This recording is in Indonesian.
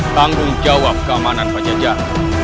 tanggung jawab keamanan panjajah